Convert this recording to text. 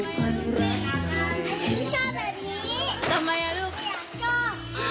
สุดท้ายของพ่อต้องรักมากกว่านี้ครับ